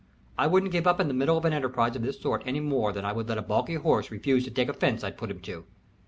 I wouldn't give up in the middle of an enterprise of this sort any more than I would let a balky horse refuse to take a fence I'd put him to.